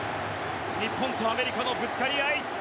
日本とアメリカのぶつかり合い。